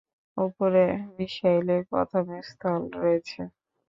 উপরে মিশাইলের প্রথম স্থল রয়েছে।